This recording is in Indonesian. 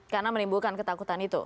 karena menimbulkan ketakutan itu